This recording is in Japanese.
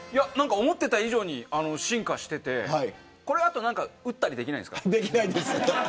思っていた以上に進化していて何か撃ったりできないんですか。